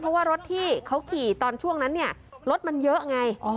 เพราะว่ารถที่เขาขี่ตอนช่วงนั้นเนี่ยรถมันเยอะไง